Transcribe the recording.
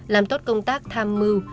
làm tốt công tác tham mưu